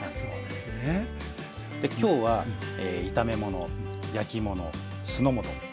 できょうは炒め物焼き物酢の物